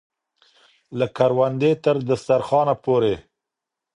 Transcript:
له کروندې تر دسترخانه پورې.